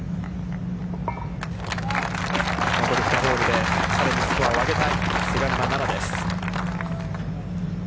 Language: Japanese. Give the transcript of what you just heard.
残り２ホールでさらにスコアを上げたい、菅沼菜々です。